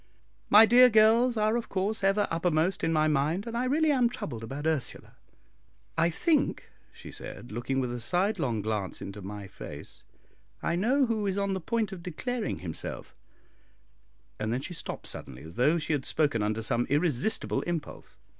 My dear girls are of course ever uppermost in my mind, and I really am troubled about Ursula. I think," she said, looking with a sidelong glance into my face, "I know who is on the point of declaring himself," and she stopped suddenly, as though she had spoken under some irresistible impulse.